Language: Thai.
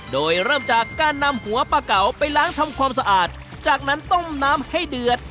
โดยเริ่มจากการนำหัวปลาเก๋าไปล้างทำความสะอาดจากนั้นต้มน้ำให้เดือด